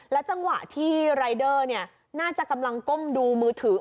จังหวะที่รายเดอร์น่าจะกำลังก้มดูมือถือ